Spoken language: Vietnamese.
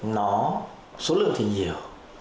nó số lượng thì nhiều